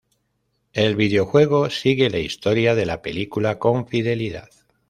El videojuego sigue la historia de la película con fidelidad.